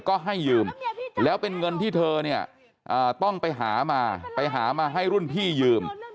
ก็ให้ยืมแล้วเป็นเงินที่เธอเนี่ยต้องไปหามาไปหามาให้รุ่นพี่ยืม